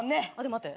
待って。